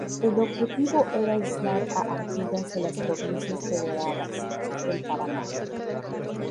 El objetivo era aislar a Artigas de las provincias federadas del Paraná.